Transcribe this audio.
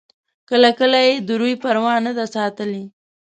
کله کله یې د روي پروا نه ده ساتلې.